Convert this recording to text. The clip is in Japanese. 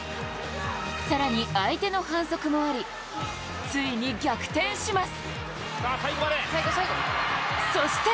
更に、相手の反則もありついに逆転します。